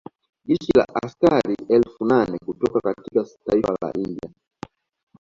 Jeshi la askari elfu nane kutoka katika taifa la India